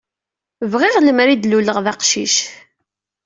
Bɣiɣ lemer i d-luleɣ d aqcic.